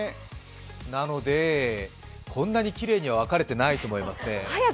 なので、こんなにきれいには分かれていないと思いますね。